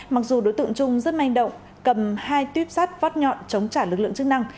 mặc dù đối tượng trung rất manh động cầm hai tuyếp sắt vót nhọn chống trả lực lượng chức năng